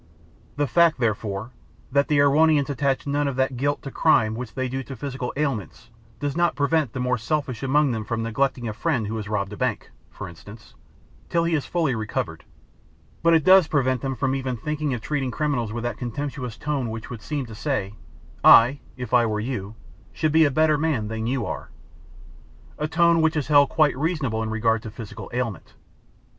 The fact, therefore, that the Erewhonians attach none of that guilt to crime which they do to physical ailments, does not prevent the more selfish among them from neglecting a friend who has robbed a bank, for instance, till he has fully recovered; but it does prevent them from even thinking of treating criminals with that contemptuous tone which would seem to say, "I, if I were you, should be a better man than you are," a tone which is held quite reasonable in regard to physical ailment.